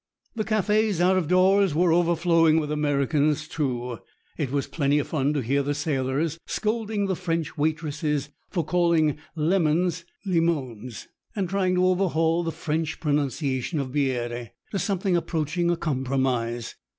The cafés out of doors were overflowing with Americans, too. It was plenty of fun to hear the sailors scolding the French waitresses for calling lemons "limons," and trying to overhaul the French pronunciation of "bière" to something approaching a compromise.